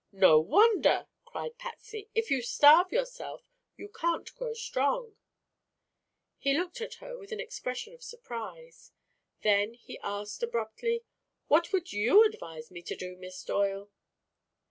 "No wonder!" cried Patsy. "If you starve yourself you can't grow strong." He looked at her with an expression of surprise. Then he asked abruptly: "What would you advise me to do, Miss Doyle?"